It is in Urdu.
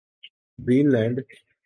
green land